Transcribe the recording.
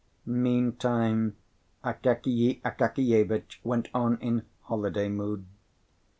Meantime Akakiy Akakievitch went on in holiday mood.